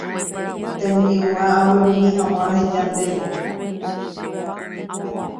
tembi'urã aguerumi hag̃ua aheja ndéve